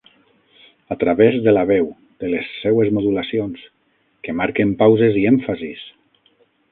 A través de la veu, de les seues modulacions, que marquen pauses i èmfasis.